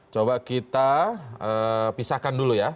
coba kita pisahkan dulu ya